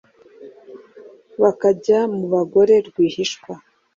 bakajya mu bagore rwihishwa